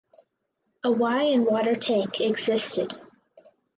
A wye and water tank existed.